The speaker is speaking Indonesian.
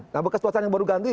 nah bekas tuasanya baru ganti